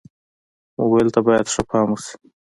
موبایل ته باید ښه پام وشي.